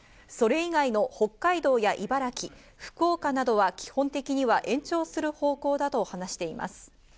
それ以外の北海道や茨城、福岡などは基本的には延長する方向だと話しています。